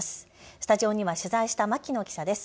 スタジオには取材した牧野記者です。